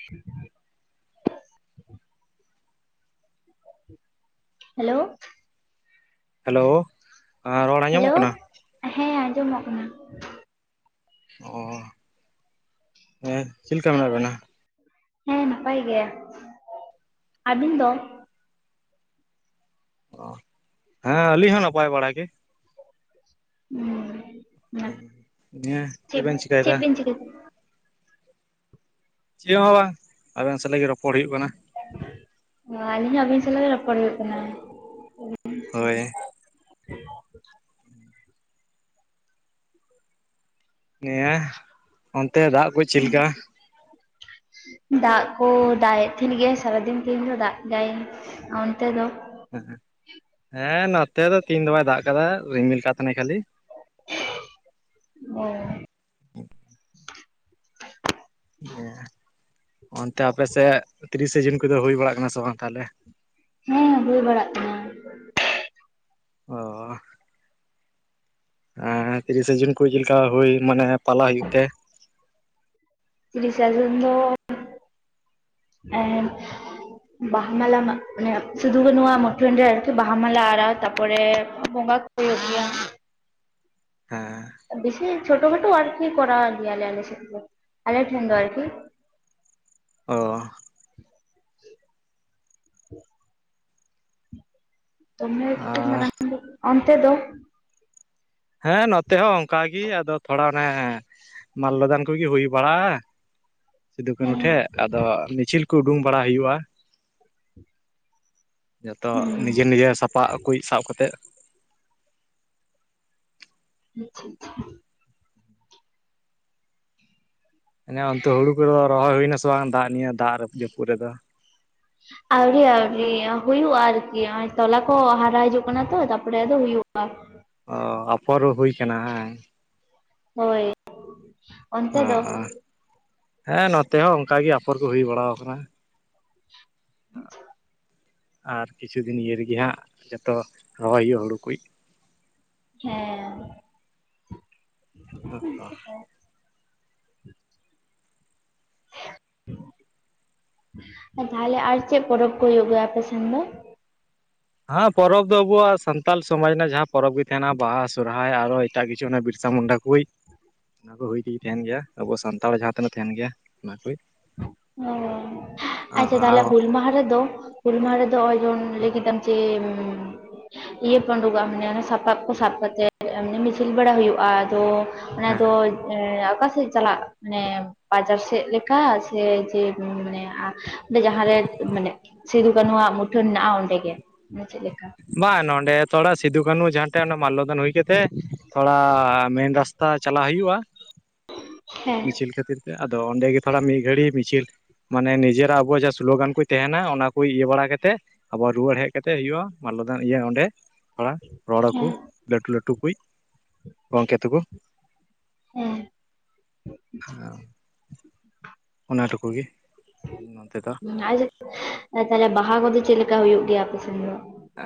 [inaudible] Hello hello ᱨᱚᱲ hello ᱟᱸᱡᱟᱢᱚᱜ ᱠᱟᱱᱟ᱾ ᱦᱮᱸ ᱟᱸᱡᱚᱢᱚᱜ ᱠᱟᱱᱟ᱾ ᱚ ᱦᱮᱸ ᱪᱮᱫ ᱞᱮᱠᱟ ᱢᱮᱱᱟᱜ ᱵᱮᱱᱟ? ᱦᱮᱸ ᱱᱟᱯᱟᱭ ᱜᱮ ᱾ ᱟᱵᱤᱱ ᱫᱚ ᱚ ᱦᱮᱸ ᱟᱹᱞᱤᱧ ᱦᱚᱸ ᱱᱟᱯᱟᱭ ᱵᱟᱲᱟ ᱜᱮ᱾ ᱱᱤᱭᱟᱹ ᱪᱮᱫ ᱵᱮᱱ ᱪᱮᱫ ᱪᱤᱠᱟᱹᱭᱮᱫᱟ ᱵᱤᱱ ᱪᱤᱠᱟᱹ ᱪᱮᱫ ᱦᱚᱸ ᱵᱟᱝ ᱟᱵᱮᱱ ᱥᱟᱞᱟᱜ ᱜᱮ ᱨᱚᱯᱚᱲ ᱦᱩᱭᱩᱜ ᱠᱟᱱᱟ᱾ ᱚ ᱟᱹᱞᱤᱧ ᱦᱚᱸ ᱟᱹᱵᱤᱱ ᱥᱟᱞᱟᱜ ᱜᱮ ᱨᱚᱯᱚᱲ ᱦᱩᱭᱩᱜ ᱠᱟᱱᱟ᱾ ᱦᱳᱭ ᱱᱤᱭᱟᱹ ᱚᱱᱛᱮ ᱫᱟᱜ ᱠᱚ ᱪᱮᱫ ᱞᱮᱠᱟ᱾ ᱫᱟᱜ ᱠᱚ ᱫᱟᱜ ᱮᱫ ᱛᱟᱦᱮᱱ ᱜᱮᱭᱟ᱾ ᱥᱟᱨᱟᱫᱤᱱ ᱛᱮᱦᱧ ᱫᱚ ᱫᱟᱜ ᱠᱮᱫᱟᱭ᱾ ᱚᱱᱛᱮ ᱫᱚ ᱦᱮᱸ ᱱᱚᱛᱮ ᱫᱚ ᱛᱤᱦᱤᱧ ᱫᱚ ᱵᱟᱭ ᱫᱟᱜ ᱠᱟᱫᱟ ᱨᱤᱢᱤᱞ ᱠᱟᱜ ᱛᱟᱦᱮᱱᱟᱭ ᱠᱷᱟᱹᱞᱤ᱾ ᱚ ᱚᱱᱛᱮ ᱟᱯᱮᱥᱮᱫ ᱛᱤᱨᱤᱥᱟ ᱡᱩᱱ ᱠᱚᱫᱚ ᱦᱩᱭ ᱵᱟᱲᱟᱜ ᱠᱟᱱᱟ ᱥᱮ ᱵᱟᱝ ᱛᱟᱦᱞᱮ ᱦᱮᱸ ᱦᱩᱭ ᱵᱟᱲᱟ ᱚ ᱦᱮᱸ ᱛᱤᱨᱤᱥᱟ ᱡᱩᱱ ᱠᱚ ᱪᱮᱞᱮᱠᱟ ᱦᱩᱭ ᱢᱟᱱᱮ ᱯᱟᱞᱟ ᱦᱩᱭᱩᱜ ᱛᱮ ᱛᱤᱨᱤᱥᱟ ᱡᱩᱱ ᱫᱚ ᱮ ᱵᱟᱦᱟ ᱢᱟᱞᱟ ᱢᱟ ᱢᱟᱱᱮ ᱥᱤᱫᱩ ᱠᱟᱹᱱᱩᱜ ᱢᱩᱴᱷᱟᱹᱱ ᱨᱮ ᱟᱨᱠᱤ ᱵᱟᱦᱟ ᱢᱟᱞᱟ ᱟᱨᱟᱣ ᱛᱟ ᱯᱚᱨᱮ ᱵᱚᱸᱜᱟ ᱦᱳᱭᱳᱜ ᱜᱮᱭᱟ᱾ ᱦᱮ ᱥᱮ ᱪᱷᱳᱴᱳ ᱠᱷᱟᱴᱳ ᱟᱨᱠᱤ ᱠᱚᱨᱟᱣ ᱜᱮᱭᱟ ᱞᱮ ᱟᱞᱮ ᱥᱮᱫ ᱫᱚ ᱟᱞᱮ ᱴᱷᱮᱱ ᱫᱚ ᱚ [unintelligible] ᱚᱱᱛᱮ ᱫᱚ ᱦᱮᱸ ᱱᱚᱛᱮ ᱦᱚᱸ ᱚᱱᱠᱟᱜ ᱜᱮ ᱟᱫᱚ ᱛᱷᱚᱲᱟ ᱚᱱᱮ ᱢᱟᱞᱚᱚᱫᱟᱱ ᱠᱚᱜᱮ ᱦᱩᱭ ᱵᱟᱲᱟᱜᱼᱟ᱾ ᱥᱤᱫᱩ ᱠᱟᱱᱩ ᱴᱷᱮᱡ ᱟᱫᱚ ᱢᱤᱪᱷᱤᱞ ᱠᱚ ᱩᱰᱩᱝ ᱵᱟᱲᱟ ᱦᱩᱭᱩᱜᱼᱟ᱾ ᱡᱚᱛᱚ ᱱᱤᱡᱮ ᱱᱤᱡᱮᱨ ᱥᱟᱯᱟᱵ ᱠᱚ ᱥᱟᱵ ᱠᱟᱛᱮᱮᱫ ᱟᱪᱪᱷᱟ ᱟᱪᱪᱷᱟ [unintelligible] ᱚᱱᱛᱮ ᱦᱩᱲᱩ ᱠᱚᱫᱚ ᱨᱚᱦᱚᱭ ᱦᱩᱭᱱᱟᱥᱮ ᱵᱟᱝ ᱫᱟᱜ ᱱᱤᱭᱟᱹ ᱫᱟᱜ ᱡᱟᱹᱯᱩᱫ ᱨᱮᱫᱚ ᱟᱹᱣᱨᱤ ᱟᱹᱣᱨᱤ ᱦᱩᱭᱩᱜᱼᱟ ᱟᱨᱠᱤ ᱱᱚᱜᱼᱚᱭ ᱛᱚᱞᱟ ᱠᱚ ᱦᱟᱨᱟ ᱦᱤᱡᱩᱜ ᱠᱟᱱᱟ ᱛᱚ ᱛᱟᱯᱚᱨᱮ ᱟᱫᱚ ᱦᱩᱭᱩᱜᱼᱟ᱾ ᱚ ᱟᱯᱷᱚᱨ ᱦᱩᱭ ᱟᱠᱟᱱᱟ ᱦᱮᱸ ᱦᱳᱭ ᱚᱱᱛᱮ ᱫᱚ ᱚ-ᱚ ᱮ ᱱᱚᱛᱮ ᱦᱚᱸ ᱚᱱᱠᱟᱜᱮ ᱟᱯᱷᱚᱨ ᱠᱚ ᱦᱩᱭ ᱵᱟᱲᱟ ᱟᱠᱟᱱᱟ᱾ [unintelligible] ᱟᱨ ᱠᱤᱪᱷᱩ ᱫᱤᱱ ᱤᱭᱟᱹ ᱨᱮᱜᱮ ᱦᱟᱸᱜ ᱡᱚᱛᱚ ᱨᱚᱦᱚᱭ ᱦᱩᱭᱩᱜ ᱦᱩᱲᱩ ᱠᱚ [unintelligible] ᱦᱮᱸᱦᱮ ᱛᱟᱦᱞᱮ ᱟᱨ ᱪᱮᱫ ᱯᱚᱨᱚᱵᱽ ᱠᱚ ᱦᱩᱭᱩᱜ ᱜᱮᱭᱟ ᱟᱯᱮ ᱥᱮᱱ ᱫᱚ? ᱦᱮᱸ ᱯᱚᱨᱚᱵᱽ ᱫᱚ ᱟᱵᱚᱣᱟᱜ ᱥᱟᱱᱛᱟᱞ ᱥᱚᱢᱟᱡᱽ ᱨᱮᱱᱟᱜ ᱡᱟᱦᱟᱸ ᱯᱚᱨᱚᱵᱽ ᱜᱮ ᱛᱟᱦᱮᱱᱟ ᱵᱟᱦᱟ ᱥᱚᱨᱚᱦᱦᱟᱭ ᱟᱨᱚ ᱮᱴᱟᱜ ᱠᱤᱪᱷᱩ ᱵᱤᱨᱥᱟ ᱢᱩᱱᱰᱟ ᱦᱩᱭ ᱚᱱᱟ ᱠᱚ ᱦᱩᱭ ᱤᱫᱤ ᱛᱮᱜᱮ ᱛᱟᱦᱮᱱ ᱜᱮᱭᱟ ᱟᱵᱚ ᱥᱟᱱᱛᱟᱲ ᱡᱟᱦᱟᱸ ᱛᱤᱱᱟᱹᱜ ᱛᱟᱦᱮᱱ ᱜᱮᱭᱟ ᱚᱱᱟ ᱠᱚ ᱚ ᱟᱪᱪᱷᱟ ᱛᱟᱦᱚᱞᱮ ᱦᱩᱞ ᱢᱟᱦᱟ ᱨᱮᱫᱚ ᱦᱩᱞ ᱢᱟᱦᱟ ᱨᱮᱫᱚ ᱱᱚᱜᱼᱚᱭ ᱵᱚᱱ ᱞᱟᱹᱭ ᱠᱮᱫᱟᱢ ᱡᱮ, ᱤᱭᱟᱹ ᱯᱮ ᱩᱰᱩᱠᱚᱜᱼᱟ ᱢᱟᱱᱮ ᱥᱟᱯᱟᱵ ᱠᱚ ᱥᱟᱵ ᱠᱟᱛᱮ ᱮᱢᱱᱤ ᱢᱤᱪᱷᱤᱞ ᱵᱟᱲᱟ ᱦᱩᱭᱩᱜᱼᱟ, ᱟᱫᱚ ᱚᱱᱟ ᱫᱚ ᱮ ᱚᱠᱟᱥᱮᱫ ᱪᱟᱞᱟᱜ ᱢᱟᱱᱮ ᱵᱟᱡᱟᱨ ᱥᱮᱫ ᱞᱮᱠᱟ, ᱥᱮ ᱡᱮ ᱢᱟᱱᱮ ᱟ ᱚᱸᱰᱮ ᱡᱟᱸᱦᱟᱨᱮ ᱢᱟᱱᱮ, ᱥᱤᱫᱷᱩ ᱠᱟᱹᱱᱩ ᱟᱜ ᱢᱩᱴᱷᱟᱹᱱ ᱦᱮᱱᱟᱜᱼᱟ ᱚᱸᱰᱮ ᱜᱮ ᱢᱩᱪᱟᱹᱫᱽ ᱞᱮᱠᱟ᱾ ᱵᱟᱝ ᱱᱚᱸᱰᱮ ᱛᱷᱚᱲᱟ ᱥᱤᱫᱩ ᱠᱟᱹᱱᱩ ᱡᱟᱸᱦᱟᱴᱷᱮᱱ ᱢᱟᱞᱞᱚᱫᱟᱱ ᱦᱩᱭ ᱠᱟᱛᱮ ᱛᱷᱚᱲᱟ, ᱟᱻ ᱢᱮᱱ ᱨᱟᱥ ᱛᱟ ᱪᱟᱞᱟᱜ ᱦᱩᱭᱩᱜᱼᱟ᱾ ᱦᱮᱸ ᱢᱤᱪᱷᱤᱞ ᱠᱷᱟᱹᱛᱤᱨ ᱛᱮ ᱟᱫᱚ ᱚᱸᱰᱮ ᱜᱮ ᱛᱷᱚᱲᱟ ᱢᱤᱫ ᱜᱷᱟᱹᱲᱤ ᱢᱤᱪᱷᱤᱞ, ᱢᱟᱱᱮ ᱱᱤᱡᱮᱨᱟᱜ ᱟᱵᱚᱣᱟᱜ ᱡᱟᱦᱟᱸ ᱥᱳᱞᱳᱜᱟᱱ ᱠᱚ ᱛᱟᱦᱮᱱᱟ ᱚᱱᱟ ᱠᱚ ᱤᱭᱟᱹ ᱵᱟᱲᱟ ᱠᱟᱛᱮᱫ ᱟᱵᱚ ᱨᱩᱣᱟᱹᱲ ᱦᱮᱡ ᱠᱟᱛᱮᱜ ᱦᱩᱭᱩᱜᱼᱟ᱾ ᱢᱟᱞᱞᱚᱫᱟᱱ ᱤᱭᱟᱹ ᱚᱸᱰᱮ ᱛᱷᱚᱲᱟ ᱨᱚᱲ ᱟᱠᱚ, ᱦᱮᱸ ᱞᱟᱹᱴᱩ ᱞᱟᱹᱴᱩ ᱠᱩᱡ ᱜᱚᱝᱠᱮ ᱛᱟᱠᱚ, ᱦᱮᱸ ᱦᱟᱸ ᱚᱱᱟ ᱴᱩᱠᱩ ᱜᱮ, ᱱᱚᱛᱮ ᱫᱚ [unintelligible] ᱛᱟᱦᱚᱞᱮ ᱵᱟᱦᱟ ᱠᱚᱫᱚ ᱪᱮᱫᱞᱮᱠᱟ ᱦᱩᱭᱩᱜ ᱜᱮᱭᱟ ᱟᱯᱮ ᱥᱮᱱ ᱫᱚ?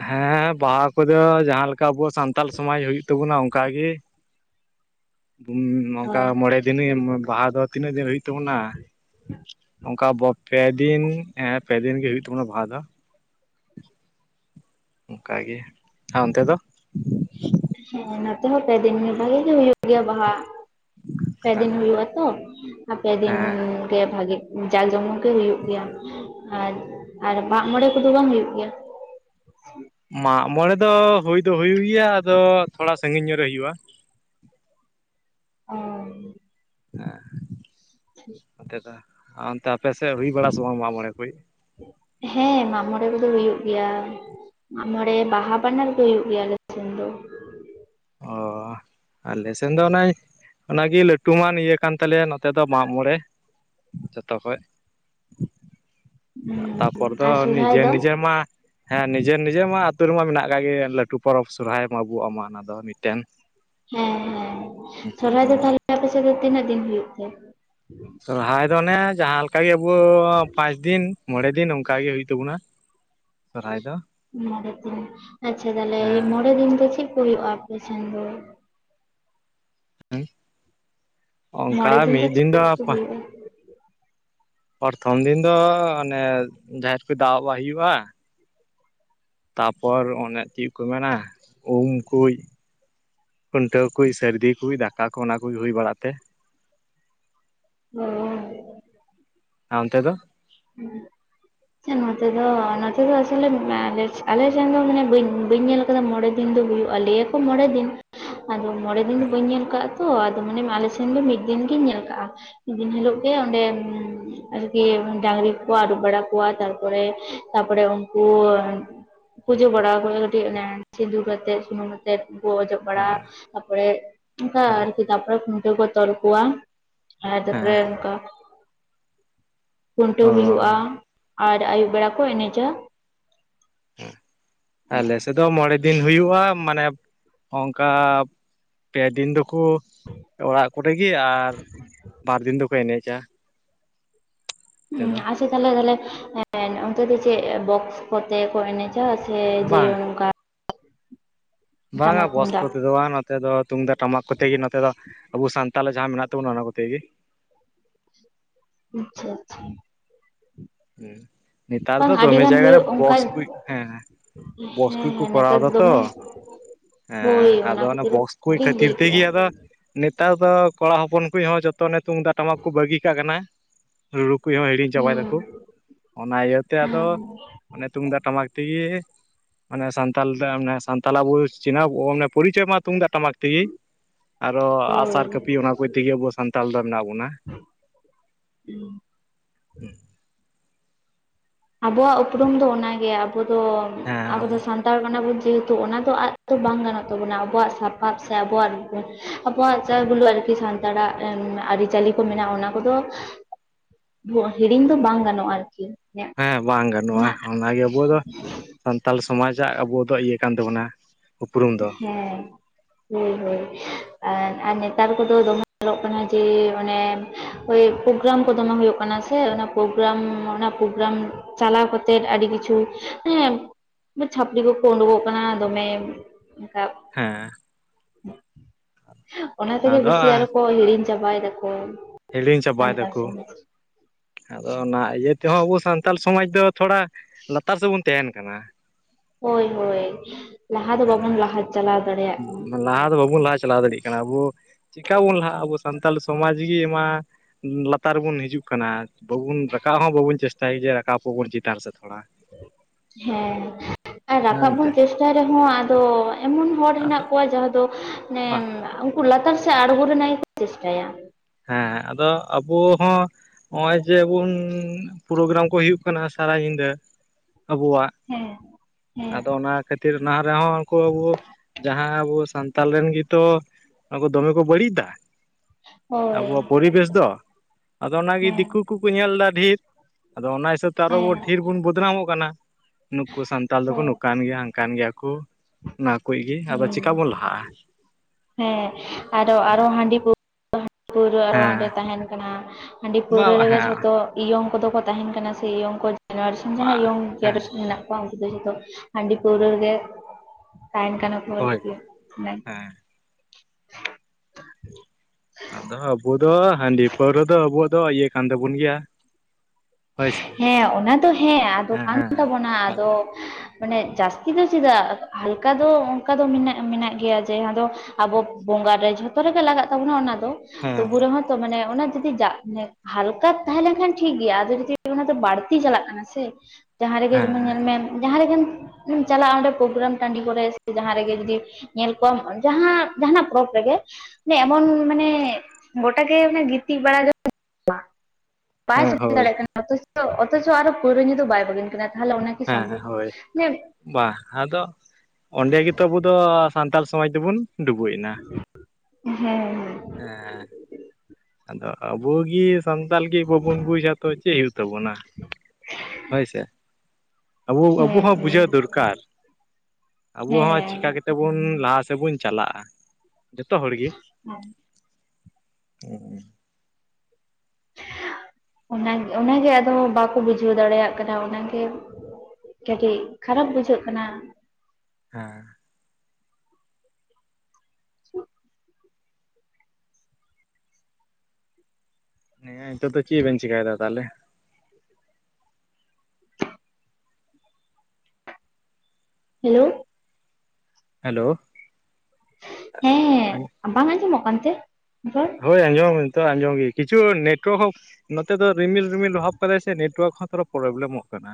ᱦᱮᱸ ᱵᱟᱦᱟ ᱠᱚᱫᱚ ᱡᱟᱸᱦᱟ ᱞᱮᱠᱟ ᱟᱵᱚ ᱥᱟᱱᱛᱟᱞ ᱥᱚᱢᱟᱡᱽ ᱦᱩᱭᱩᱜ ᱛᱟᱵᱚᱱᱟ ᱚᱱᱠᱟᱜᱮ, [unintelligible] ᱚ ᱱᱚᱝᱠᱟ ᱢᱚᱲᱮ ᱫᱤᱱ ᱦᱚᱭᱳ ᱵᱟᱦᱟ ᱫᱚ ᱛᱤᱱᱟᱹᱜ ᱫᱤᱱ ᱦᱩᱭᱩᱜ ᱛᱩᱱᱟ ᱚᱱᱠᱟ ᱵᱚ ᱯᱮ ᱫᱤᱱ ᱦᱮᱸ ᱯᱮ ᱫᱤᱱ ᱜᱮ ᱦᱩᱭᱩᱜ ᱛᱟᱵᱚᱱᱟ ᱵᱟᱦᱟ ᱫᱚ᱾ ᱚᱱᱠᱟᱜᱮ ᱟᱨ ᱚᱱᱛᱮ ᱫᱚ? ᱦᱮᱸ ᱱᱚᱛᱮ ᱦᱚᱸ ᱯᱮ ᱫᱤᱱ ᱞᱮᱠᱟ ᱜᱮ ᱵᱷᱟᱜᱤ ᱜᱮ ᱦᱩᱭᱩᱜ ᱜᱮᱭᱟ ᱵᱟᱦᱟ᱾ ᱯᱮ ᱦᱮᱸ ᱫᱤᱱ ᱦᱩᱭᱩᱜᱼᱟ ᱛᱚ ᱯᱮ ᱫᱤᱱ ᱦᱮᱸ ᱜᱮ ᱵᱷᱟᱜᱮ, ᱡᱟᱠ ᱡᱚᱢᱚᱠ ᱜᱮ ᱦᱩᱭᱩᱜ ᱜᱮᱭᱟ ᱟᱨ ᱟᱨ ᱢᱟᱜ ᱢᱚᱲᱮ ᱠᱚᱫᱚ ᱵᱟᱝ ᱦᱩᱭᱩᱜ ᱜᱮᱭᱟ? ᱢᱟᱜ ᱢᱚᱬᱮ ᱫᱚ ᱦᱩᱭ ᱫᱚ ᱦᱩᱭᱩᱜ ᱜᱮᱭᱟ ᱟᱫᱚ ᱛᱷᱚᱲᱟ ᱥᱟᱺᱜᱤᱧ ᱧᱚᱜ ᱨᱮ ᱦᱩᱭᱩᱜᱼᱟ᱾ ᱚᱻ ᱮᱸ ᱱᱚᱛᱮ ᱫᱚ ᱟᱨ ᱚᱱᱛᱮ ᱟᱯᱮ ᱥᱮᱫ ᱦᱩᱭ ᱵᱟᱲᱟᱜ ᱥᱮ ᱵᱟᱝ ᱢᱟᱜᱽ ᱢᱚᱬᱮ ᱠᱩᱭ? ᱦᱮᱸ ᱢᱟᱜ ᱢᱚᱬᱮ ᱠᱚ ᱫᱚ ᱦᱩᱭᱩᱜ ᱜᱮᱭᱟ, ᱢᱟᱜᱽ ᱢᱚᱬᱮ ᱵᱟᱦᱟ ᱵᱟᱱᱟᱨ ᱜᱮ ᱦᱩᱭᱩᱜ ᱜᱮᱭᱟ ᱟᱞᱮ ᱥᱮᱱ ᱫᱚ᱾ ᱚ ᱟᱞᱮ ᱥᱮᱱ ᱫᱚ ᱚᱱᱟᱭ ᱚᱱᱟᱜᱮ ᱞᱟᱹᱴᱩ ᱢᱟᱱ ᱤᱭᱟᱹ ᱠᱟᱱ ᱛᱟᱞᱮᱭᱟ ᱱᱚᱛᱮ ᱫᱚ ᱢᱟᱜ ᱢᱚᱬᱮ, ᱡᱚᱛᱚ ᱠᱷᱚᱡ᱾ ᱦᱩᱸ ᱛᱟᱯᱚᱨ ᱫᱚ ᱟᱨ ᱥᱚᱨᱦᱟᱭ ᱱᱤᱡᱮᱨ ᱫᱚ ᱱᱤᱡᱮᱨ ᱢᱟ ᱦᱮᱸ ᱱᱤᱡᱮᱨ ᱱᱤᱡᱮᱨ ᱢᱟ ᱟᱛᱩ ᱨᱮᱢᱟ ᱢᱮᱱᱟᱜ ᱠᱟᱜ ᱜᱮ ᱞᱟᱹᱴᱩ ᱯᱚᱨᱚᱵᱽ ᱥᱚᱨᱦᱟᱭ ᱢᱟ ᱟᱵᱩᱣᱟᱜ ᱢᱟ ᱚᱱᱟ ᱫᱚ, ᱢᱤᱫᱴᱮᱱ᱾ ᱦᱮᱸ ᱦᱮᱸ ᱥᱚᱨᱦᱟᱭ ᱫᱚ ᱛᱟᱦᱚᱞᱮ ᱟᱯᱮ ᱥᱮᱫ ᱫᱚ ᱛᱤᱱᱟᱹᱜ ᱫᱤᱱ ᱦᱩᱭᱩᱜ ᱛᱮ? ᱥᱚᱨᱦᱟᱭ ᱫᱚ ᱚᱱᱮ ᱡᱟᱦᱟ ᱞᱮᱠᱟ ᱜᱮ ᱟᱵᱚ ᱯᱟᱸᱪ ᱫᱤᱱ ᱢᱚᱬᱮ ᱫᱤᱱ ᱚᱱᱠᱟ ᱜᱮ ᱦᱩᱭᱩᱜ ᱛᱟᱵᱩᱱᱟ᱾ ᱥᱚᱨᱦᱟᱭ ᱫᱚ, ᱢᱚᱬᱮ ᱫᱤᱱ ᱟᱪᱪᱷᱟ ᱛᱟᱦᱚᱞᱮ ᱦᱮᱸ ᱢᱚᱬᱮ ᱫᱤᱱ ᱫᱚ ᱪᱮᱫ ᱠᱩ ᱦᱩᱭᱩᱜᱼᱟ ᱚᱯᱮ ᱥᱮᱱ ᱫᱚ? [unintelligible] ᱚᱱᱠᱟ ᱢᱚᱬᱮ ᱢᱤᱫ ᱫᱤᱱ ᱪᱮᱫ ᱫᱚ, ᱠᱚ ᱦᱩᱭᱩᱜᱼᱟ ᱯᱚᱨᱛᱷᱚᱢ ᱫᱤᱱ ᱫᱚ ᱚᱱᱮ ᱡᱟᱦᱮᱨ ᱠᱚ ᱫᱟᱵᱟᱜ ᱦᱩᱭᱩᱜᱼᱟ᱾ ᱛᱟᱯᱚᱨ ᱚᱱᱮ ᱪᱮᱫ ᱠᱚ ᱢᱮᱱᱟ ᱩᱢᱠᱩᱪ ᱠᱷᱩᱱᱴᱟᱹᱣ ᱠᱩᱭ ᱥᱟᱹᱨᱫᱤ ᱠᱩᱭ ᱫᱟᱠᱟ ᱠᱚ ᱚᱱᱟ ᱠᱚᱜᱮ ᱦᱩᱭ ᱵᱟᱲᱟᱜ ᱛᱮ, [unintelligible] ᱟ ᱚᱱᱛᱮ ᱫᱚ? ᱦᱮᱸ ᱱᱚᱛᱮ ᱫᱚ ᱱᱚᱛᱮ ᱫᱚ ᱟᱥᱚᱞᱮ ᱟᱞᱮ ᱴᱷᱮᱱ ᱫᱚ ᱢᱟᱱᱮ ᱵᱟᱹᱧ ᱵᱟᱹᱧ ᱧᱮᱞ ᱠᱟᱫᱟ ᱢᱚᱬᱮ ᱫᱤᱱ ᱫᱚ ᱦᱩᱭᱩᱜᱼᱟ ᱞᱟᱹᱭᱟ ᱠᱚ ᱢᱚᱬᱮ ᱫᱤᱱ ᱟᱫᱚ ᱢᱚᱬᱮ ᱫᱤᱱ ᱫᱚ ᱵᱟᱹᱧ ᱧᱮᱞ ᱟᱠᱟᱫ ᱛᱚ ᱟᱫᱚ ᱢᱟᱱᱮ ᱟᱞᱮ ᱥᱮᱱ ᱫᱚ ᱢᱤᱫ ᱫᱤᱱ ᱜᱤᱧ ᱧᱮᱞ ᱠᱟᱜᱼᱟ᱾ ᱢᱤᱫ ᱫᱤᱱ ᱦᱤᱞᱳᱜ ᱜᱮ ᱚᱸᱰᱮ ᱟᱨᱠᱤ ᱰᱟᱝᱨᱤ ᱠᱚ ᱟᱹᱨᱩᱵ ᱵᱟᱲᱟ ᱠᱚᱣᱟ ᱛᱟᱨᱯᱚᱨᱮ ᱛᱟᱯᱚᱨᱮ ᱩᱱᱠᱩ, ᱯᱩᱡᱟᱹ ᱵᱟᱲᱟ ᱟᱠᱚ ᱦᱳᱭᱳᱜᱼᱟ ᱠᱟᱹᱴᱤᱡ ᱚᱱᱮ ᱥᱤᱸᱫᱩᱨ ᱠᱟᱛᱮᱫ ᱥᱩᱱᱩᱢ ᱟᱛᱮᱫ ᱚᱡᱚᱜ ᱚ ᱵᱟᱲᱟ ᱛᱟᱯᱚᱨᱮ ᱚᱱᱠᱟ ᱛᱟᱦᱞᱮ ᱟᱨᱠᱤ ᱛᱟᱯᱚᱨᱮ ᱠᱷᱩᱱᱴᱟᱹᱣ ᱠᱚ ᱛᱚᱞ ᱠᱚᱣᱟ᱾ ᱟᱨ ᱛᱟᱨᱯᱚᱨᱮ ᱦᱮᱸ ᱚᱱᱠᱟ ᱠᱷᱩᱱᱴᱟᱹᱣ ᱚ ᱦᱩᱭᱩᱜ-ᱟ ᱟᱨ ᱟᱹᱭᱩᱵ ᱵᱮᱲᱟ ᱠᱚ ᱮᱱᱮᱡᱟ᱾ ᱟᱞᱮ ᱥᱮᱫ ᱫᱚ ᱢᱚᱬᱮ ᱫᱤᱱ ᱦᱩᱭᱩᱜ-ᱟ᱾ ᱢᱟᱱᱮ ᱚᱱᱠᱟ ᱯᱮ ᱫᱤᱱ ᱫᱚᱠᱚ ᱚᱲᱟᱜ ᱠᱚᱨᱮᱜᱮ ᱟᱨ ᱵᱟᱨ ᱫᱤᱱ ᱫᱚᱠᱚ ᱮᱱᱮᱡᱟ᱾ ᱛᱮ ᱫᱚ ᱛᱟᱞᱦᱮ ᱛᱟᱞᱮ ᱚᱱᱛᱮ ᱫᱚ ᱪᱮᱫ ᱵᱚᱠᱥ ᱠᱚᱛᱮ ᱠᱚ ᱮᱱᱮᱡᱟ ᱥᱮ ᱵᱟᱝ ᱡᱮ ᱵᱟᱝ-ᱟ ᱴᱟᱢᱟᱠ ᱵᱚᱥ ᱠᱚ ᱛᱩᱢᱫᱟᱜ ᱛᱮᱫᱚ ᱵᱟᱝ ᱱᱚᱛᱮ ᱫᱚ ᱛᱩᱢᱫᱟᱜ ᱴᱟᱢᱟᱠ ᱠᱚᱛᱮ ᱜᱮ ᱱᱚᱛᱮ ᱫᱚ ᱟᱵᱚ ᱥᱟᱱᱛᱟᱞ ᱡᱟᱦᱟᱸ ᱢᱮᱱᱟᱜ ᱛᱟᱵᱚᱱᱟ ᱚᱱᱟ ᱠᱚᱛᱮ ᱜᱮ ᱟᱪᱪᱷᱟ ᱟᱪᱪᱷᱟ ᱦᱩᱸ ᱱᱮᱛᱟᱨ ᱵᱟᱝ ᱫᱚ ᱟᱹᱰᱤ ᱫᱚᱢᱮ ᱜᱟᱱ ᱡᱟᱭᱜᱟ ᱨᱮ ᱦᱩᱭᱩᱜ ᱚᱱᱠᱟ ᱵᱚᱠᱥ ᱦᱮᱸ ᱠᱚ ᱦᱮᱸ ᱦᱮᱸ ᱵᱚᱥᱠᱩ ᱠᱚ ᱦᱮᱸ ᱠᱚᱨᱟᱣ ᱱᱮᱛᱟᱨ ᱫᱟ ᱫᱚ ᱛᱚ ᱫᱚᱢᱮ ᱦᱮᱸ ᱦᱳᱭ ᱟᱫᱚ ᱚᱱᱟ ᱠᱷᱟᱹᱛᱤᱨ ᱵᱚᱠᱥ ᱠᱚ ᱜᱤᱧ ᱠᱷᱟᱹᱛᱤᱨ ᱞᱟᱹᱭ ᱛᱮᱜᱮ ᱠᱮᱜᱼᱟ ᱟᱫᱚ ᱱᱮᱛᱟᱨ ᱫᱚ ᱠᱚᱲᱟ ᱦᱚᱯᱚᱱ ᱠᱚ ᱦᱚᱸ ᱡᱚᱛᱚ ᱱᱮ ᱛᱩᱢᱫᱟᱜ ᱴᱟᱢᱟᱠ ᱠᱚ ᱵᱟᱹᱜᱤ ᱠᱟᱜ ᱠᱟᱱᱟ᱾ ᱨᱩᱨᱩ ᱠᱚᱦᱚᱸ ᱦᱤᱲᱤᱧ ᱪᱟᱵᱟᱭ ᱫᱟᱠᱚ ᱦᱩᱸ ᱚᱱᱟ ᱤᱭᱟᱹ ᱛᱮ ᱟᱫᱚ ᱦᱩᱸ ᱚᱱᱮ ᱛᱩᱢᱫᱟᱜ ᱴᱟᱢᱟᱠ ᱛᱮᱜᱮ ᱢᱟᱱᱮ ᱥᱟᱱᱛᱟᱞ ᱛᱮ ᱢᱟᱱᱮ ᱥᱟᱱᱛᱟᱞ ᱟᱵᱚ ᱪᱤᱱᱦᱟᱹ ᱯᱚᱨᱤᱪᱚᱭ ᱢᱟ ᱛᱩᱢᱫᱟᱜ ᱴᱟᱢᱟᱠ ᱛᱮᱜᱮ ᱟᱨᱚ ᱦᱳᱭ ᱟᱜᱥᱟᱨ ᱠᱟᱹᱯᱤ ᱚᱱᱟ ᱠᱚ ᱛᱮᱜᱮ ᱟᱵᱚ ᱥᱟᱱᱛᱟᱞ ᱫᱚ ᱢᱮᱱᱟᱜ ᱵᱚᱱᱟ᱾ ᱟᱵᱚᱣᱟᱜ ᱩᱯᱨᱩᱢ ᱫᱚ ᱚᱱᱟᱜᱮ ᱟᱵᱚ ᱫᱚ ᱟᱵᱚ ᱫᱚ ᱥᱟᱱ ᱛᱟᱲ ᱠᱟᱱᱟ ᱵᱚᱱ ᱡᱮᱦᱮᱛᱩ ᱚᱱᱟ ᱫᱚ ᱟᱫ ᱫᱚ ᱵᱟᱝ ᱜᱟᱱᱚᱜ ᱛᱟᱵᱚᱱᱟ ᱟᱵᱚᱣᱟᱜ ᱥᱟᱯᱟᱵ ᱥᱮ ᱟᱵᱚᱣᱟᱜ ᱟᱵᱚᱣᱟᱜ ᱡᱟ ᱜᱩᱞᱳ ᱟᱨᱠᱤ ᱥᱟᱱᱛᱟᱲᱟᱜ ᱟᱹᱨᱤ ᱪᱟᱹᱞᱤ ᱠᱚ ᱢᱮᱱᱟᱜ-ᱟ ᱚᱱᱟ ᱠᱚᱫᱚ ᱦᱤᱲᱤᱧ ᱫᱚ ᱵᱟᱝ ᱜᱟᱱᱚᱜ-ᱟ ᱟᱨᱠᱤ᱾ ᱤᱧᱟᱹᱜ ᱦᱮᱸ ᱵᱟᱝ ᱜᱟᱱᱚᱜ-ᱟ ᱚᱱᱟ ᱚᱱᱟᱜᱮ ᱟᱵᱚ ᱫᱚ ᱥᱟᱱᱛᱟᱞ ᱥᱚᱢᱟᱡᱟᱜ ᱟᱵᱚ ᱫᱚ ᱤᱭᱟᱹ ᱠᱟᱱ ᱛᱟᱵᱚᱱᱟ᱾ ᱩᱯᱨᱩᱢ ᱫᱚ ᱦᱮᱸ ᱦᱮ ᱦᱮᱸ ᱮᱸ ᱟᱨ ᱱᱮᱛᱟᱨ ᱠᱚᱫᱚ ᱫᱚᱢᱮ ᱧᱮᱞᱚᱜ ᱠᱟᱱᱟ ᱡᱮ ᱚᱱᱮ ᱳᱭ ᱯᱨᱳᱜᱨᱟᱢ ᱠᱚ ᱫᱚᱢᱮ ᱦᱩᱭᱩᱜ ᱠᱟᱱᱟ ᱥᱮ ᱚᱱᱟ ᱯᱨᱳᱜᱨᱟᱢ ᱚᱱᱟ ᱯᱨᱳᱜᱨᱟᱢ ᱪᱟᱞᱟᱣ ᱠᱟᱛᱮᱫ ᱟᱹᱰᱤ ᱠᱤᱪᱷᱩ ᱦᱮᱸ ᱪᱷᱟᱯᱲᱤ ᱠᱚᱠᱚ ᱩᱰᱩᱠᱚᱜ ᱠᱟᱱᱟ ᱫᱚᱢᱮ ᱮᱠᱟᱞ ᱦᱮᱸ ᱚᱱᱟ ᱛᱮᱜᱮ ᱟᱫᱚ ᱵᱮᱥᱤ ᱟᱨᱚ ᱠᱚ ᱦᱤᱲᱤᱧ ᱪᱟᱵᱟᱭ ᱫᱟᱠᱚ᱾ ᱦᱤᱲᱤᱧ ᱪᱟᱵᱟᱭ ᱥᱟᱱᱛᱟᱲ ᱫᱟᱠᱚ ᱥᱚᱢᱟᱡᱽ ᱟᱫᱚ ᱚᱱᱟ ᱤᱭᱟᱹ ᱛᱮᱦᱚᱸ ᱟᱵᱚ ᱥᱟᱱᱛᱟᱞ ᱥᱚᱢᱟᱡᱽ ᱫᱚ ᱛᱷᱚᱲᱟ ᱞᱟᱛᱟᱨ ᱥᱮᱫ ᱵᱚᱱ ᱛᱟᱦᱮᱱ ᱠᱟᱱᱟ᱾ ᱦᱳᱭ ᱦᱳᱭ ᱞᱟᱦᱟ ᱫᱚ ᱵᱟᱵᱚᱱ ᱞᱟᱦᱟ ᱪᱟᱞᱟᱣ ᱫᱟᱲᱮᱭᱟᱜ ᱠᱟᱱᱟ᱾ ᱞᱟᱦᱟ ᱫᱚ ᱵᱟᱵᱚᱱ ᱞᱟᱦᱟ ᱪᱟᱞᱟᱣ ᱫᱟᱲᱮᱭᱟᱜ ᱠᱟᱱᱟ ᱟᱵᱚ ᱪᱤᱠᱟ ᱵᱚᱱ ᱞᱟᱦᱟᱜᱼᱟ ᱟᱵᱚ ᱥᱟᱱᱛᱟᱞ ᱥᱚᱢᱟᱡᱽ ᱜᱮᱢᱟ᱾ ᱞᱟᱛᱟᱨ ᱨᱮᱵᱚᱱ ᱦᱤᱡᱩᱜ ᱠᱟᱱᱟ ᱵᱟᱵᱚᱱ ᱨᱟᱠᱟᱵ ᱦᱚᱸ ᱵᱟᱵᱚᱱ ᱪᱮᱥᱴᱟᱭᱟ ᱡᱮ ᱨᱟᱠᱟ ᱠᱚᱵᱚᱱ ᱪᱮᱛᱟᱱ ᱥᱮ ᱛᱷᱚᱲᱟ᱾ ᱦᱮᱸ ᱟᱨ ᱨᱟᱠᱟᱵ ᱵᱚᱱ ᱮᱱᱛᱮ ᱪᱮᱥᱴᱟᱭ ᱨᱮᱦᱚᱸ ᱟᱫᱚ ᱮᱢᱚᱱ ᱦᱚᱲ ᱟᱫᱚ ᱢᱮᱱᱟᱜᱮ ᱠᱚᱣᱟ ᱡᱟᱦᱟᱸ ᱫᱚ ᱢᱟᱱᱮ ᱢᱟ ᱩᱱᱠᱩ ᱞᱟᱛᱟᱨ ᱥᱮᱫ ᱟᱬᱜᱚ ᱨᱮᱱᱟᱜ ᱪᱮᱥᱴᱟᱭᱟ᱾ ᱦᱮᱸ ᱟᱫᱚ ᱟᱵᱚ ᱦᱚᱸ ᱱᱚᱜ ᱚᱭ ᱡᱮᱵᱩᱱ ᱯᱨᱳᱜᱨᱟᱢ ᱠᱚ ᱦᱚ ᱦᱩᱭᱩᱜ ᱠᱟᱱᱟ ᱥᱟᱨᱟ ᱧᱤᱫᱟᱹ ᱟᱵᱩᱣᱟᱜ ᱦᱮᱸ ᱦᱮᱸ ᱟᱫᱚ ᱚᱱᱟ ᱠᱷᱟᱹᱛᱤᱨ ᱚᱱᱟ ᱨᱮᱦᱚᱸ ᱩᱱᱠᱩ ᱟᱵᱚ ᱡᱟᱦᱟᱸ ᱟᱵᱚ ᱥᱟ ᱛᱟᱞ ᱨᱮᱱ ᱜᱮᱛᱚ ᱫᱚᱢᱮ ᱠᱚ ᱵᱟᱹᱲᱤᱡ ᱮᱫᱟ᱾ ᱦᱳᱭ ᱟᱵᱚᱣᱟᱜ ᱯᱚᱨᱤᱵᱮᱥ ᱫᱚ ᱟᱫᱚ ᱚᱱᱟᱜᱮ ᱦᱮᱸ ᱫᱤᱠᱩ ᱠᱚ ᱧᱮᱞ ᱮᱫᱟ ᱰᱷᱤᱨ ᱟᱫᱚ ᱚᱱᱟ ᱦᱤᱥᱟᱹᱵᱽ ᱛᱮ ᱟᱨᱚ ᱦᱮᱸ ᱰᱷᱤᱨ ᱵᱚᱱ ᱵᱚᱫᱱᱟᱢᱚᱜ ᱠᱟᱱᱟ ᱱᱩᱠᱩ ᱥᱟᱱᱛᱟᱞ ᱫᱚᱠᱚ ᱦᱳᱭ ᱱᱚᱝᱠᱟᱱ ᱜᱮᱭᱟ ᱦᱟᱝᱠᱟᱱ ᱜᱮᱭᱟ ᱠᱚ ᱚᱱᱟ ᱠᱚ ᱜᱮ ᱟᱫᱚ ᱦᱩᱸ ᱪᱮᱠᱟ ᱵᱚᱱ ᱞᱟᱦᱟᱜᱼᱟ᱾ ᱦᱮᱸ ᱟᱨᱚ ᱟᱨᱚ ᱦᱟᱺᱰᱤ ᱯᱟᱣ ᱯᱩᱣᱨᱟᱹ ᱟᱨᱚ ᱦᱮᱸ ᱚᱸᱰᱮ ᱛᱟᱦᱮᱱ ᱠᱟᱱᱟ᱾ ᱦᱟᱺᱰᱤ ᱵᱟ ᱯᱟᱹᱣᱨᱟᱹ ᱨᱮᱜᱮ ᱦᱮᱸ ᱡᱷᱚᱛᱚ ᱤᱭᱚᱝ ᱠᱚᱫᱚ ᱠᱚ ᱛᱟᱦᱮᱱ ᱠᱟᱱᱟ ᱥᱮ ᱤᱭᱚᱝ ᱠᱚ ᱡᱮᱱᱟᱨᱮᱥᱚᱱ ᱵᱟ ᱡᱟᱦᱟᱸ ᱤᱭᱚᱝ ᱦᱮᱸ ᱡᱮᱱᱟᱨᱮᱥᱚᱱ ᱦᱮᱱᱟᱜ ᱠᱚᱣᱟ ᱩᱱᱠᱩ ᱫᱚ ᱡᱚᱛᱚ ᱦᱟᱺᱰᱤ ᱯᱟᱹᱣᱨᱟᱹ ᱨᱮᱜᱮ ᱛᱟᱦᱮᱱ ᱠᱟᱱᱟ ᱠᱚ ᱦᱳᱭ ᱟᱨᱠᱤ᱾ ᱦᱮᱸ ᱟᱫᱚ ᱟᱵᱚ ᱫᱚ ᱦᱟᱺᱰᱤ ᱯᱟᱹᱣᱨᱟᱹ ᱫᱚ ᱟᱵᱚᱣᱟᱜ ᱫᱚ ᱤᱭᱟᱹ ᱠᱟᱱ ᱛᱟᱵᱚᱱ ᱜᱮᱭᱟ᱾ ᱦᱳᱭ ᱥᱮ ᱦᱮᱸ ᱚᱱᱟ ᱫᱚ ᱦᱮᱸ ᱟᱫᱚ ᱠᱟᱱ ᱛᱟᱵᱚᱱᱟ ᱟᱫᱚ ᱢᱟᱱᱮ ᱡᱟᱹᱥᱛᱤ ᱫᱚ ᱪᱮᱫᱟᱜ ᱦᱟᱞᱠᱟ ᱫᱚ ᱚᱱᱠᱟ ᱫᱚ ᱢᱮᱱᱟᱜ ᱜᱮᱭᱟ ᱡᱮ ᱫᱚ ᱟᱵᱚ ᱵᱚᱸᱜᱟ ᱨᱮ ᱡᱷᱚᱛᱚ ᱨᱮᱜᱮ ᱞᱟᱜᱟᱜ ᱛᱟᱵᱚᱱᱟ ᱚᱱᱟ ᱦᱮᱸ ᱛᱚᱵᱩᱨᱮ ᱦᱚᱸᱛᱚ ᱢᱟᱱᱮ ᱚᱱᱟ ᱡᱩᱫᱤ ᱡᱟ ᱦᱟᱞᱠᱟ ᱛᱟᱦᱮᱸ ᱞᱮᱱᱠᱷᱟᱱ ᱴᱷᱤᱠ ᱜᱮᱭᱟ ᱟᱫᱚ ᱡᱩᱫᱤ [inaudible] ᱫᱚ ᱵᱟᱹᱲᱛᱤ ᱪᱟᱞᱟᱜ ᱠᱟᱱᱟ ᱥᱮ ᱡᱟᱦᱟᱸ ᱨᱮᱜᱮ ᱦᱮᱸ ᱡᱮᱢᱚᱱ ᱧᱮᱞ ᱢᱮ ᱡᱟᱦᱟᱸ ᱨᱮᱜᱮᱢ ᱪᱟᱞᱟᱜᱼᱟ ᱚᱸᱰᱮ ᱯᱨᱳᱜᱨᱟᱢ ᱴᱟᱺᱰᱤ ᱠᱚᱨᱮ ᱥᱮ ᱡᱟᱦᱟᱸ ᱨᱮᱜᱮ ᱡᱩᱫᱤ ᱧᱮᱞ ᱠᱚᱣᱟᱢ ᱡᱟᱦᱟᱸ ᱡᱟᱦᱟᱱᱟᱜ ᱯᱚᱨᱚᱵᱽ ᱨᱮᱜᱮ ᱮᱢᱚᱱ ᱢᱟᱱᱮ ᱜᱚᱴᱟ ᱜᱮ ᱢᱟᱱᱮ ᱜᱤᱛᱤᱡ ᱵᱟᱲᱟ ᱵᱟᱭ ᱦᱮᱸ ᱥᱚᱡᱷᱮ ᱦᱳᱭ ᱫᱟᱲᱮᱭᱟᱜ ᱠᱟᱱᱟ ᱚᱛᱷᱚᱪᱚ ᱚᱛᱷᱪᱚ ᱟᱨᱚ ᱯᱳᱣᱨᱟᱹ ᱧᱩ ᱫᱚ ᱵᱟᱭ ᱵᱟᱹᱜᱤᱱ ᱠᱟᱱᱟ ᱛᱟᱦᱚᱞᱮ ᱚᱱᱟ ᱠᱤ ᱦᱮᱸ ᱥᱚᱢᱵᱷᱚᱵ ᱦᱳᱭ ᱢᱟᱱᱮ ᱵᱟᱝ ᱟᱫᱚ ᱚᱸᱰᱮ ᱜᱮᱛᱚ ᱟᱵᱚ ᱫᱚ ᱥᱟᱱᱛᱟᱲ ᱥᱚᱢᱟᱡᱽ ᱫᱩᱵᱚᱱ ᱰᱩᱵᱩᱡ ᱮᱱᱟ᱾ ᱦᱮᱸ ᱦᱮᱸ ᱦᱮᱸ ᱟᱫᱚ ᱟᱵᱚ ᱜᱮ ᱥᱟᱱᱛᱟᱞ ᱜᱮ ᱵᱟᱵᱚᱱ ᱵᱩᱡᱟ ᱛᱚ ᱪᱮᱫ ᱦᱩᱭᱩᱜ ᱛᱟᱵᱚᱱᱟ᱾ [inaudible] ᱦᱚᱭ ᱥᱮ ᱟᱵᱚ ᱟᱵᱚ ᱦᱮᱸ ᱦᱚᱸ ᱦᱮᱸ ᱵᱩᱡᱷᱟᱹᱣ ᱫᱚᱨᱠᱟᱨ ᱦᱮᱸ ᱟᱵᱚ ᱦᱚᱸ ᱪᱤᱠᱟ ᱠᱟᱛᱮ ᱦᱮᱸ ᱛᱮᱵᱚᱱ ᱞᱟᱦᱟ ᱥᱮᱫ ᱵᱚᱱ ᱪᱟᱞᱟᱜᱼᱟ᱾ ᱡᱚᱛᱚ ᱦᱚᱲ ᱜᱮ [unintelligible] ᱚ ᱚᱱᱟᱜᱮ ᱟᱫᱚ ᱵᱟᱠᱚ ᱵᱩᱡᱷᱟᱹᱣ ᱫᱟᱲᱮᱭᱟᱜ ᱠᱟᱱᱟ ᱚᱱᱟᱜᱮ ᱠᱟᱹᱴᱤᱡ ᱠᱷᱟᱨᱟᱯ ᱵᱩᱡᱷᱟᱹᱜ ᱠᱟᱱᱟ᱾ ᱦᱮᱸ [unintelligible] ᱦᱮᱸ ᱱᱤᱛᱳ ᱫᱚ ᱪᱮᱫ ᱵᱮᱱ ᱪᱮᱠᱟᱭᱮᱫᱟ ᱛᱟᱦᱚᱞᱮ [unintelligible] ᱦᱮᱞᱳ ᱦᱮᱞᱳ ᱦᱮᱸ ᱵᱟᱝ ᱟᱸᱡᱚᱢᱚᱜ ᱠᱟᱱᱛᱮ ᱨᱚᱲ᱾ ᱦᱳᱭ ᱟᱸᱡᱚᱢ ᱱᱤᱛᱚ ᱟᱸᱡᱚᱢ ᱜᱮ ᱠᱤᱪᱷᱩ ᱱᱮᱴᱳᱣᱟᱨᱠ ᱦᱚᱸ ᱱᱚᱛᱮ ᱫᱚ ᱨᱤᱢᱤᱞ ᱨᱤᱢᱤᱞ ᱵᱷᱟᱵᱽ ᱠᱟᱫᱟᱭ ᱥᱮ ᱱᱮᱴᱣᱟᱨᱠ ᱦᱚᱸ ᱛᱷᱚᱲᱟ ᱯᱨᱚᱵᱞᱮᱢᱚᱜ ᱠᱟᱱᱟ᱾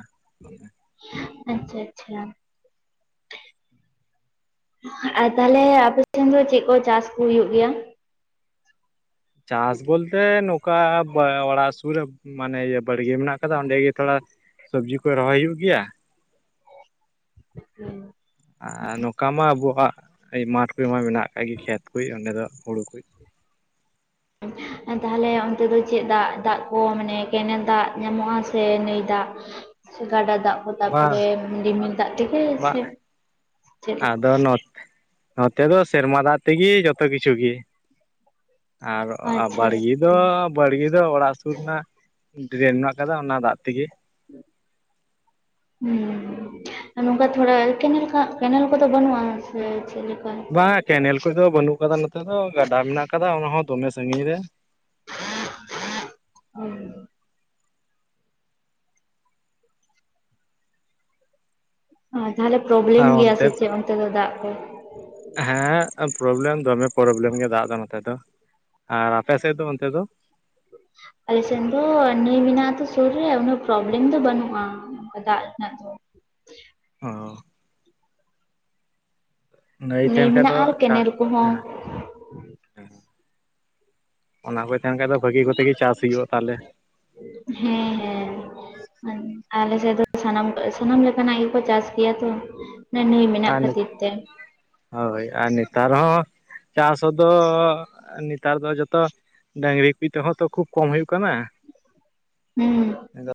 ᱟᱪᱪᱷᱟ ᱟᱪᱪᱷᱟ ᱟᱨ ᱛᱟᱦᱞᱮ ᱟᱯᱮᱥᱷᱮᱱ ᱫᱚ ᱪᱮᱫ ᱠᱚ ᱪᱟᱥᱠᱩ ᱦᱩᱭᱩᱜ ᱜᱮᱭᱟ᱾ ᱪᱟᱥ ᱵᱚᱞᱛᱮ ᱱᱚᱝᱠᱟ ᱚᱲᱟ ᱯᱩᱨᱟᱹ ᱢᱟᱱᱮ ᱤᱭᱟᱹ ᱵᱟᱲᱜᱮ ᱢᱮᱱᱟᱜ ᱟᱠᱟᱫᱟ ᱚᱸᱰᱮ ᱜᱮ ᱛᱷᱚᱲᱟ ᱥᱚᱵᱽᱡᱤ ᱠᱚ ᱨᱚᱦᱚᱭ ᱦᱩᱭᱩᱜ ᱜᱮᱭᱟ᱾ ᱦᱮᱸ ᱟᱨ ᱱᱚᱝᱠᱟ ᱢᱟ ᱟᱵᱚᱣᱟᱜ ᱢᱟᱴᱷ ᱠᱚ ᱢᱟ ᱢᱮᱱᱟᱜ ᱟᱠᱟᱫ ᱜᱮ ᱠᱷᱮᱛ ᱠᱚ ᱚᱸᱰᱮ ᱫᱚ ᱦᱩᱲᱩ ᱠᱚ ᱛᱟᱦᱞᱮ ᱚᱱᱛᱮ ᱫᱚ ᱪᱮᱫ ᱫᱟᱜ ᱫᱟᱜ ᱠᱚ ᱢᱟᱱᱮ ᱠᱮᱱᱮᱞ ᱫᱟᱜ ᱧᱟᱢᱚᱜᱼᱟ ᱥᱮ ᱱᱟᱹᱭ ᱫᱟᱜ ᱥᱮ ᱜᱟᱰᱟ ᱫᱟᱜ ᱦᱚᱸ ᱛᱟᱨᱯᱚᱨ ᱵᱟᱝ ᱨᱤᱢᱤᱞ ᱫᱟᱜ ᱛᱮᱜᱮ ᱥᱮ ᱵᱟᱝ ᱪᱮᱫ ᱞᱮᱠ ᱟᱫᱚ ᱱᱚᱛᱮ ᱫᱚ ᱥᱮᱨᱢᱟ ᱫᱟᱜ ᱛᱮᱜᱮ ᱡᱚᱛᱚ ᱠᱤᱪᱷᱩ ᱜᱮ ᱟᱨ ᱟᱪᱪᱷᱟ ᱵᱟᱲᱜᱮ ᱫᱚ ᱵᱟᱲᱜᱮ ᱫᱚ ᱚᱲᱟᱜ ᱥᱩᱨ ᱨᱮᱱᱟᱜ ᱰᱨᱮᱱ ᱢᱮᱱᱟᱜ ᱟᱠᱟᱫᱟ ᱚᱱᱟ ᱫᱟᱜ ᱛᱮᱜᱮ ᱦᱮᱸ ᱱᱚᱝᱠᱟ ᱛᱷᱚᱲᱟ ᱠᱮᱱᱮᱞ ᱠᱮᱱᱮᱞ ᱠᱚᱫᱚ ᱵᱟᱹᱱᱩᱜᱼᱟ ᱥᱮ ᱪᱮᱫᱞᱮᱠᱟ [unintelligible] ᱠᱮᱱᱮᱞ ᱠᱚᱫᱚ ᱵᱟᱹᱱᱩᱜ ᱟᱠᱟᱫᱟ ᱱᱚᱛᱮ ᱫᱚ ᱜᱟᱰᱟ ᱢᱮᱱᱟᱜ ᱟᱠᱟᱫᱟ ᱚᱱᱟ ᱦᱚᱸ ᱫᱚᱢᱮ ᱥᱟᱺᱜᱤᱧ ᱨᱮ᱾ ᱦᱮᱸ ᱛᱟᱦᱚᱞᱮ ᱟᱨ ᱯᱨᱚᱵᱞᱮᱢ ᱜᱮᱭᱟ ᱚᱱᱛᱮ ᱥᱮ ᱪᱮᱫ ᱚᱱᱛᱮ ᱫᱚ ᱫᱟᱜ ᱠᱚ ᱦᱮᱸ ᱯᱨᱚᱵᱞᱮᱢ ᱫᱚᱢᱮ ᱯᱨᱚᱵᱞᱮᱢ ᱜᱮᱭᱟ ᱫᱟᱜ ᱫᱚ ᱱᱚᱛᱮ ᱫᱚ ᱟᱨ ᱟᱯᱮ ᱥᱮᱫ ᱫᱚ ᱚᱱᱛᱮ ᱫᱚ ᱟᱞᱮᱥᱮᱫ ᱫᱚ ᱱᱟᱹᱭ ᱢᱮᱱᱟᱜᱼᱟ ᱟᱛᱚ ᱥᱩᱨ ᱨᱮ ᱩᱱᱟᱹᱜ ᱯᱨᱚᱵᱞᱮᱢ ᱫᱚ ᱵᱟᱹᱱᱩᱜᱼᱟ ᱚᱱᱠᱟ ᱫᱟᱜ ᱨᱮᱱᱟᱜ ᱫᱚ᱾ ᱚ ᱱᱟᱹᱭ ᱛᱟᱦᱮᱱ ᱠᱷᱟᱡ ᱫᱚ ᱢᱮᱱᱟᱜᱼᱟ ᱟᱨ ᱪᱟᱥ ᱠᱮᱱᱮᱞ ᱦᱮᱸ ᱠᱚᱦᱚᱸ ᱦᱮᱸ ᱚᱱᱟ ᱠᱚ ᱛᱟᱦᱮᱱ ᱠᱷᱟᱡ ᱫᱚ ᱵᱷᱟᱹᱜᱤ ᱠᱚᱛᱮ ᱜᱮ ᱪᱟᱥ ᱦᱩᱭᱩᱜᱼᱟ ᱛᱟᱦᱚᱞᱮ ᱦᱮᱸ ᱦᱮᱸ ᱟᱞᱮ ᱥᱮᱫ ᱫᱚ ᱥᱟᱱᱟᱢ ᱥᱟᱱᱟᱢ ᱞᱮᱠᱟᱱᱟᱜ ᱜᱮᱠᱚ ᱪᱟᱥ ᱜᱮᱭᱟ ᱛᱚ ᱦᱮᱸ ᱱᱤᱭᱟᱹ ᱢᱮᱱᱟᱜ ᱟᱨ ᱠᱷᱟᱹᱛᱤᱨ ᱛᱮ ᱦᱳᱭ ᱟᱨ ᱱᱮᱛᱟᱨ ᱦᱚᱸ ᱪᱟᱥᱫᱚ ᱱᱮᱛᱟᱨ ᱫᱚ ᱡᱚᱛᱚ ᱰᱟᱹᱝᱨᱤ [unintelligible] ᱛᱮᱦᱚᱸ ᱛᱚ ᱠᱷᱩᱵᱽ ᱠᱚᱢ ᱦᱩᱭᱩᱜ ᱠᱟᱱᱟ᱾ ᱦᱩᱸ